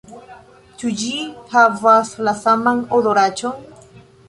Ĉu ĝi havas la saman odoraĉon?